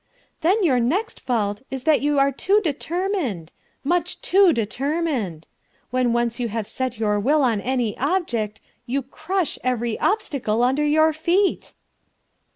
"Then your next fault is that you are too determined; much too determined. When once you have set your will on any object, you crush every obstacle under your feet."